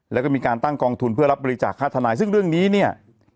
แล้วก็มีการตั้งกองทุนเพื่อรับบริจาคค่าทนายซึ่งเรื่องนี้เนี่ย